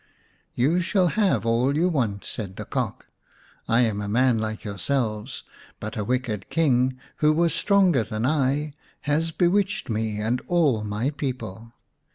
"You shall have all you want," said the Cock. " I am a man like yourselves, but a wicked King who was stronger than I has bewitched me and all my people.